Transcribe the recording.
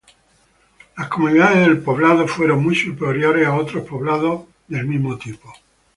Las comodidades del poblado fueron muy superiores a otros poblados homónimos.